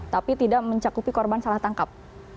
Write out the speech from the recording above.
tapi tidak mencakupi korban salah tangkap